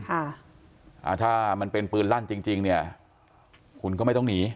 ถ้ามันเป็นปืนลั่นจริงจริงเนี่ยคุณก็ไม่ต้องหนี